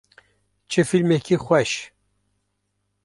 Çi fîlmekî xweş.